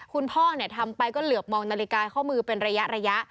คุณพ่อทำไปก็เหลือบมองนาฬิกาข้อมือเป็นระยะ